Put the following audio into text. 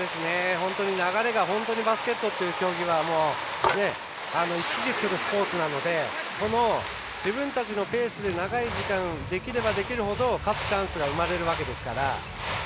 本当に流れがバスケットという競技は大事なスポーツなので自分たちのペースで長い時間できればできるほどチャンスが生まれるわけですから。